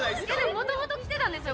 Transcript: もともと着てたんですよ